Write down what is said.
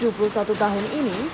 ria berusia tujuh puluh satu tahun ini